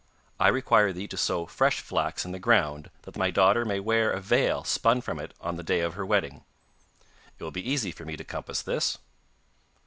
I require thee to sow fresh flax in the ground that my daughter may wear a veil spun from it on the day of her wedding.' 'It will be easy for me to compass this.